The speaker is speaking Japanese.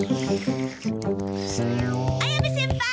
・綾部先輩！